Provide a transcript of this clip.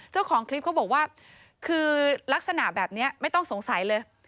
เจ้าของคลิปเขาบอกว่าคือลักษณะแบบนี้ไม่ต้องสงสัยเลย